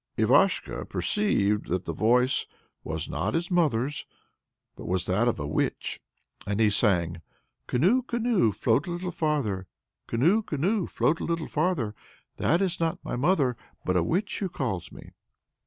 Ivashko perceived that the voice was not his mother's, but was that of a witch, and he sang: Canoe, canoe, float a little farther, Canoe, canoe, float a little farther; That is not my mother, but a witch who calls me.